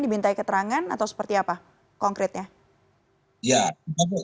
dimintai keterangan atau seperti apa konkretnya